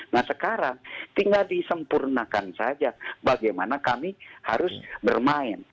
nah sekarang tinggal disempurnakan saja bagaimana kami harus bermain